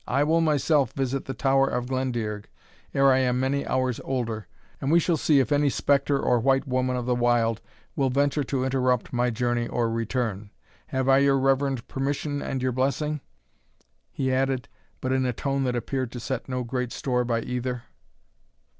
I will myself visit the Tower of Glendearg ere I am many hours older, and we shall see if any spectre or white woman of the wild will venture to interrupt my journey or return. Have I your reverend permission and your blessing?" he added, but in a tone that appeared to set no great store by either.